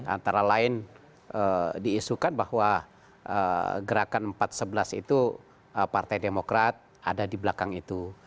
antara lain diisukan bahwa gerakan empat sebelas itu partai demokrat ada di belakang itu